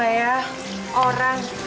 yang lebih sial daripada gue